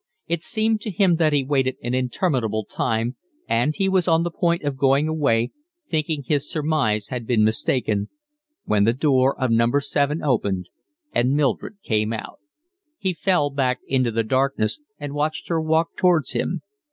It seemed to him that he waited an interminable time, and he was on the point of going away, thinking his surmise had been mistaken, when the door of No. 7 opened and Mildred came out. He fell back into the darkness and watched her walk towards him.